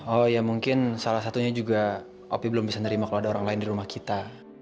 oh ya mungkin salah satunya juga opi belum bisa nerima kalau ada orang lain di rumah kita